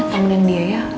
tamu dengan dia ya